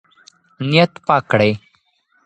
نیت پاک کړئ.